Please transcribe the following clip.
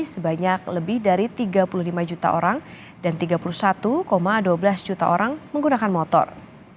sebanyak lebih dari tiga puluh lima juta orang dan tiga puluh satu dua belas juta orang menggunakan motor